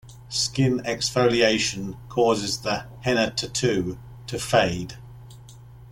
Skin exfoliation causes the henna tattoo to fade.